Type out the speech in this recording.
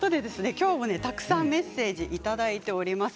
きょうもたくさんメッセージいただいております。